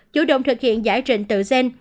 chủ động thực hiện giải trình tự gen